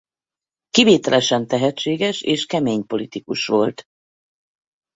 Kivételesen tehetséges és kemény politikus volt.